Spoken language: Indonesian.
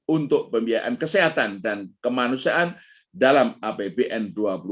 untuk pembiayaan kesehatan dan kemanusiaan dalam apbn dua ribu dua puluh